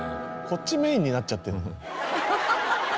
こっちメインになっちゃってる。